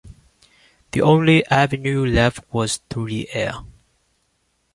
The only avenue left was through the air.